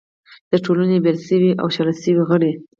د ټولنې بېل شوي او شړل شوي غړي